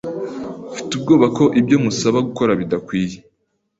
Mfite ubwoba ko ibyo musaba gukora bidakwiye.